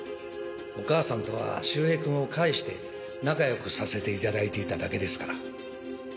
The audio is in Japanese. お母さんとは周平君を介して仲良くさせて頂いていただけですから。